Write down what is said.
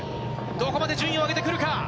どこまで順位を上げてくるか。